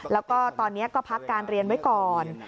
แล้วก็ตอนนี้ก็พักการเรียนไว้ก่อน